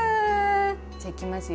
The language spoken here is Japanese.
じゃあいきますよ。